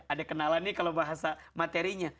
ada kenalan nih kalau bahasa materinya